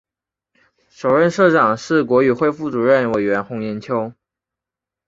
首任社长是国语会副主任委员洪炎秋。